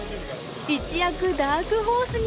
一躍ダークホースに。